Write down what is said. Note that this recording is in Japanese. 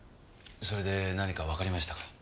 それで何かわかりましたか？